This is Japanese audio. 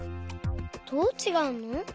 どうちがうの？